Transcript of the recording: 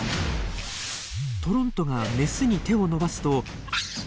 トロントがメスに手を伸ばすと。